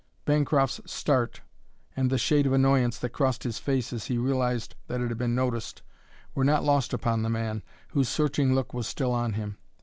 Bancroft's start and the shade of annoyance that crossed his face as he realized that it had been noticed were not lost upon the man, whose searching look was still on him.